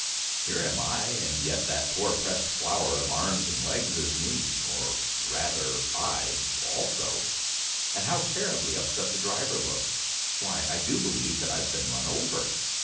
"Here am I, and yet that poor pressed flower of arms and legs is me or rather I also. And how terribly upset the driver looks. Why, I do believe that I've been run over!